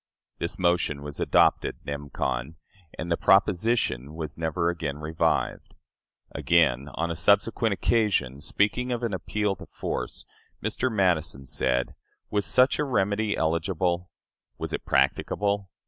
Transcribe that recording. This motion was adopted nem. con., and the proposition was never again revived. Again, on a subsequent occasion, speaking of an appeal to force, Mr. Madison said: "Was such a remedy eligible? Was it practicable?...